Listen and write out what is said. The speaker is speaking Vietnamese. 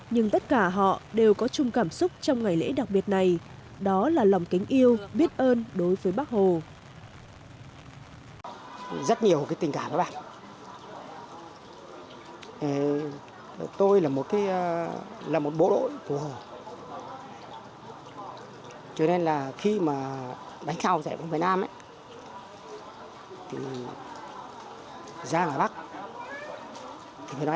nhưng tất cả họ đều có chung cảm xúc trong ngày lễ đặc biệt này đó là lòng kính yêu biết ơn đối với bác hồ